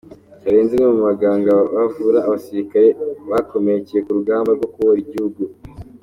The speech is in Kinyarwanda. Karenzi, umwe mu baganga bavuraga abasirikare bakomerekeye ku rugamba rwo kubohora igihugu.